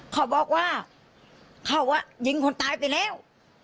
เขาบอกว่าเขายิงคนตายไปแล้ว